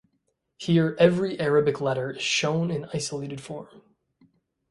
Here every Arabic letter is shown in isolated form.